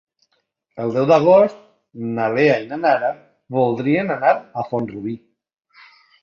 El deu d'agost na Lea i na Nara voldrien anar a Font-rubí.